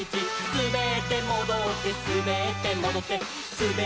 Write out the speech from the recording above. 「すべってもどってすべってもどって」